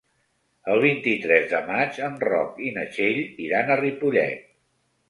El vint-i-tres de maig en Roc i na Txell iran a Ripollet.